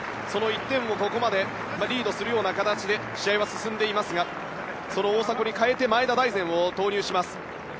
その１点をここまでリードするような形で試合が進んでいますがその大迫に代えて前田大然を投入します。